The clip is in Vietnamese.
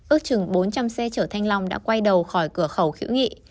ước chừng bốn trăm linh xe chở thanh long đã quay đầu khỏi cửa khẩu hữu nghị